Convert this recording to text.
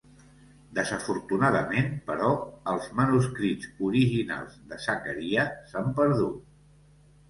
Desafortunadament, però, els manuscrits originals de Zachariah s'han perdut.